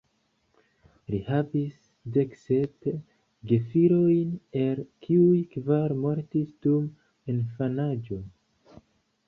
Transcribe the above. Li havis deksep gefilojn, el kiuj kvar mortis dum infanaĝo.